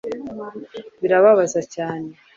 birababaza cyane